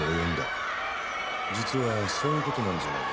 実はそういう事なんじゃないの？